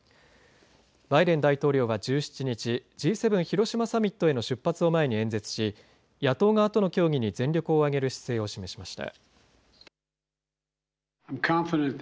バイデン大統領は１７日、Ｇ７広島サミットへの出発を前に演説し、野党側との協議に全力を挙げる姿勢を示しました。